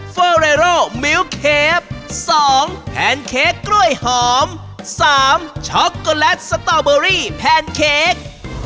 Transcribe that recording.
เฟอร์เรโร่มิ้วเคฟ๒แพนเค้กกล้วยหอม๓ช็อกโกแลตสตอเบอรี่แพนเค้ก